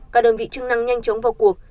các đơn vị chức năng nhanh chóng vào cuộc